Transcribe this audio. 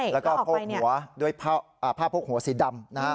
ใช่ก็ออกไปเนี่ยแล้วก็โภกหัวด้วยผ้าโภกหัวสีดำนะฮะ